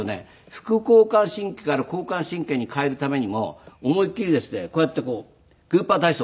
副交感神経から交感神経に変えるためにも思いっきりですねこうやってグーパー体操。